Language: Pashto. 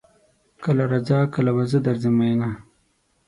کله راځه کله به زه درځم میینه